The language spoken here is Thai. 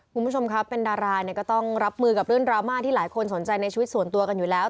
คุณผู้ชมครับเป็นดาราเนี่ยก็ต้องรับมือกับเรื่องดราม่าที่หลายคนสนใจในชีวิตส่วนตัวกันอยู่แล้ว